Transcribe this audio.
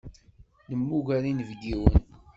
Nemmuger inebgiwen.